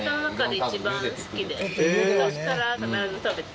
昔から必ず食べて。